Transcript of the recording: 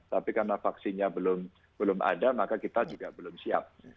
tapi karena vaksinnya belum ada maka kita juga belum siap